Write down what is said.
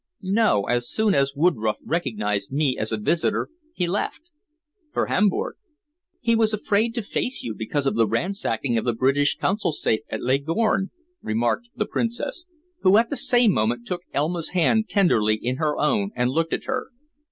"No. As soon as Woodroffe recognized me as a visitor he left for Hamburg." "He was afraid to face you because of the ransacking of the British Consul's safe at Leghorn," remarked the Princess, who, at the same moment, took Elma's hand tenderly in her own and looked at her.